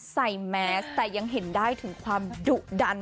แมสแต่ยังเห็นได้ถึงความดุดัน